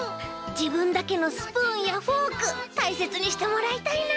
じぶんだけのスプーンやフォークたいせつにしてもらいたいな。